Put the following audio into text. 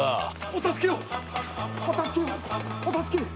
お助けを！